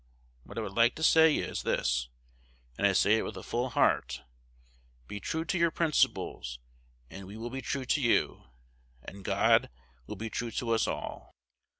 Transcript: What I would like to say is this, and I say it with a full heart: Be true to your principles; and we will be true to you, and God will be true to us all."